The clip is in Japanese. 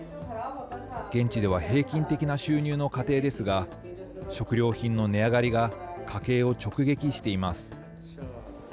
現地では平均的な収入の家庭ですが、食料品の値上がりが家計を直撃しています。